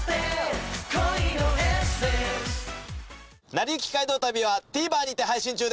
『なりゆき街道旅』はＴＶｅｒにて配信中です。